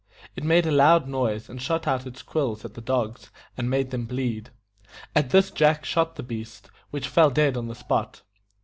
It made a loud noise, and shot out its quills at the dogs, and made them bleed. At this Jack shot at the beast, which fell dead on the spot.